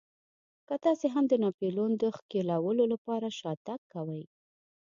که تاسې هم د ناپلیون د ښکېلولو لپاره شاتګ کوئ.